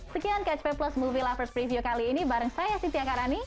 sekian catch play plus movie lovers preview kali ini bareng saya sintia karani